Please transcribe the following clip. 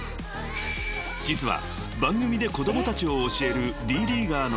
［実は］